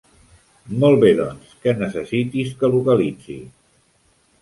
Molt bé doncs, què necessitis que localitzi?